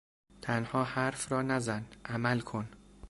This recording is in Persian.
تنها حرف را نزن - عمل کن!